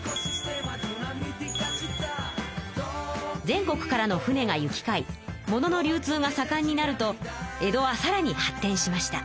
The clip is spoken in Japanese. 全国からの船が行きかいものの流通がさかんになると江戸はさらに発てんしました。